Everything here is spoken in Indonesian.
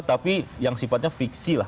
tapi yang sifatnya fiksi lah